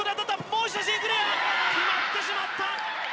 決まってしまった！